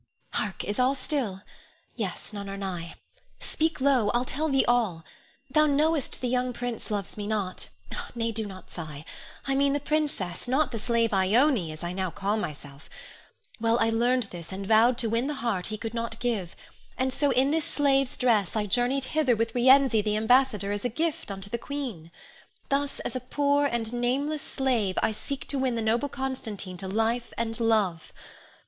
Hark! is all still? Yes; none are nigh! Speak low. I'll tell thee all. Thou knowest the young prince loves me not, nay, do not sigh; I mean the princess, not the slave Ione, as I now call myself. Well, I learned this, and vowed to win the heart he could not give; and so in this slave's dress I journeyed hither with Rienzi, the ambassador, as a gift unto the queen. Thus, as a poor and nameless slave, I seek to win the noble Constantine to life and love.